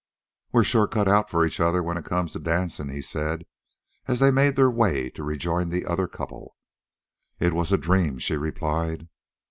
"We're sure cut out for each other when it comes to dancin'," he said, as they made their way to rejoin the other couple. "It was a dream," she replied.